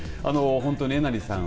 本当にえなりさん